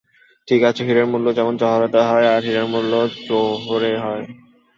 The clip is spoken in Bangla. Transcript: ঠিক আছে, হীরের মূল্য যেমন জহরতে হয়, আর হিরোর মূল্য জোহরে হয়।